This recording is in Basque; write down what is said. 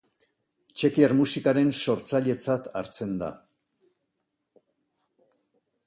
Txekiar musikaren sortzailetzat hartzen da.